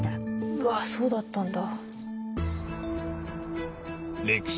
うわそうだったんだ。